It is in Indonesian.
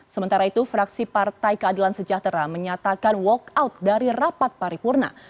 sementara itu fraksi partai keadilan sejahtera menyatakan walkout dari rapat paripurna